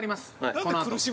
このあと。